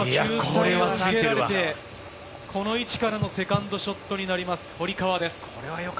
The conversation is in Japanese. この位置からのセカンドショットになります、堀川です。